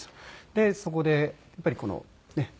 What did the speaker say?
でそこでやっぱりこのねっ。